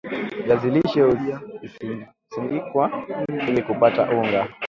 viazi lishe husindikwa ili kupata unga